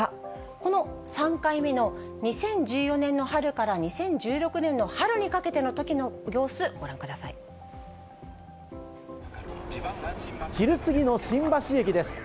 この３回目の２０１４年の春から２０１６年の春にかけてのときの昼過ぎの新橋駅です。